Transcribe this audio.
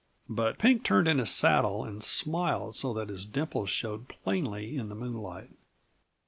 But Pink turned in his saddle and smiled so that his dimples showed plainly in the moonlight.